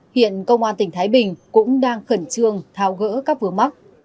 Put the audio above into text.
thì công an tỉnh thái bình cũng đang khẩn trương thao gỡ các vừa mắc